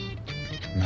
何？